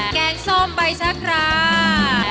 แกงส้มไปชะครับ